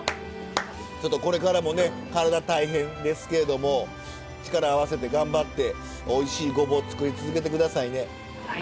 ちょっとこれからもね体大変ですけれども力合わせて頑張っておいしいごぼう作り続けて下さいね。